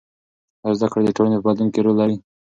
آیا زده کړه د ټولنې په بدلون کې رول لري؟